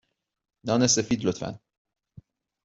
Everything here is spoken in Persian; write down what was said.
نان سفید، لطفا.